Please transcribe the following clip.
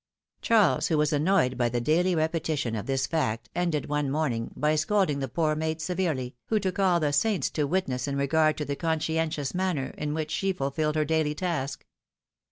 Charles, who was annoyed by the daily repetition of this fact, ended, one morning, by scolding the poor maid severely, who took all the saints to witness in regard to the conscientious manner in which she fulfilled her daily task.